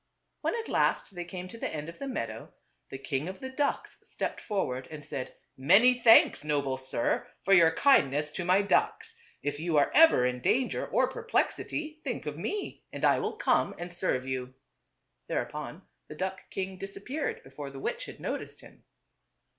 When at last they came to the end of the meadow, the king of the ducks stepped forward and said, " Many thanks, noble sir, for your kindness to my ducks. If you are ever in dan ger or perplexity, think of me and I will come and serve you." Thereupon the duck king dis appeared before the witch had noticed him.